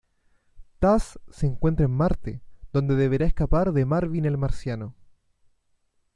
Taz se encuentra en Marte, donde deberá escapar de Marvin el Marciano.